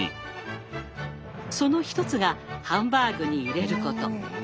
その１つがハンバーグに入れること。